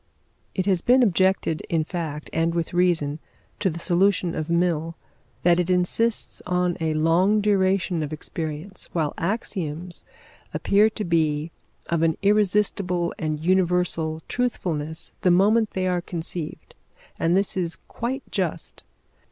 It has been objected, in fact, and with reason, to the solution of Mill, that it insists on a long duration of experience, while axioms appear to be of an irresistible and universal truthfulness the moment they are conceived. And this is quite just.